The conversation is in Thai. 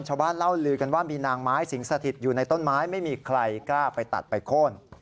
เล่าลือกันว่ามีนางไม้สิงสถิตอยู่ในต้นไม้ไม่มีใครกล้าไปตัดไปโค้น